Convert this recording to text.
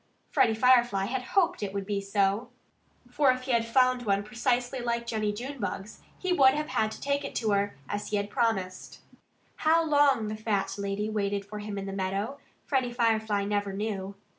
Freddie Firefly had hoped that it would be so. For if he had found one precisely like Jennie Junebug's, he would have had to take it to her, as he had promised. How long the fat lady waited for him in the meadow, Freddie Firefly never knew.